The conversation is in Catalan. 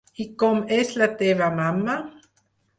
I com és la teva mama?